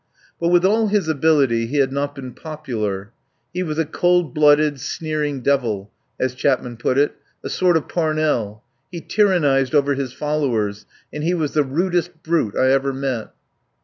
But with all his ability he had not been popular. "He was a cold blooded, sneering devil," as Chapman put it, "a sort of Parnell. He tyrannised over his followers, and he was the rudest brute I ever met."